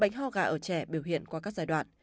bệnh ho gà ở trẻ biểu hiện qua các giai đoạn